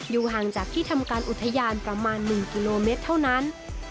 ห่างจากที่ทำการอุทยานประมาณ๑กิโลเมตรเท่านั้น